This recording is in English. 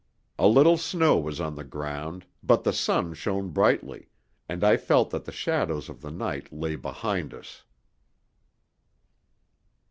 A little snow was on the ground, but the sun shone brightly, and I felt that the shadows of the night lay behind us.